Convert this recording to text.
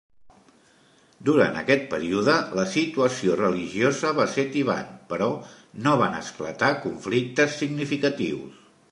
Durant aquest període, la situació religiosa va ser tibant, però no van esclatar conflictes significatius.